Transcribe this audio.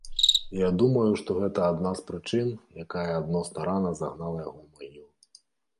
Я думаю, што гэта адна з прычын, якая адносна рана загнала яго ў магілу.